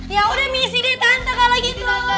ya udah missi deh tante kalau gitu